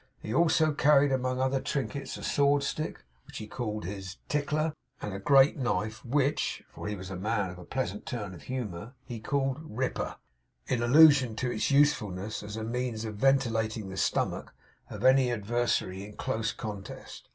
He also carried, amongst other trinkets, a sword stick, which he called his 'Tickler.' and a great knife, which (for he was a man of a pleasant turn of humour) he called 'Ripper,' in allusion to its usefulness as a means of ventilating the stomach of any adversary in a close contest.